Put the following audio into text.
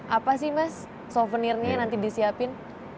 apa sih mas souvenirnya yang nanti disiapin